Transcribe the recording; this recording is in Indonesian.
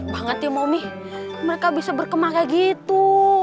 banget ya mami mereka bisa berkembang gitu